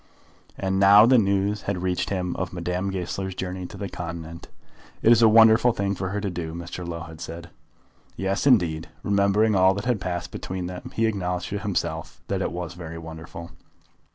And now the news had reached him of Madame Goesler's journey to the continent. "It was a wonderful thing for her to do," Mr. Low had said. Yes, indeed! Remembering all that had passed between them he acknowledged to himself that it was very wonderful.